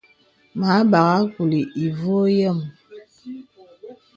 Mə a bagha kùlì ìvɔ̄ɔ̄ yəm.